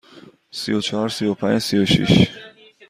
سی و چهار، سی و پنج، سی و شش.